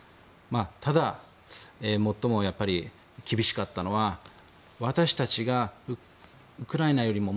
ただ、最も厳しかったのは私たちがウクライナよりも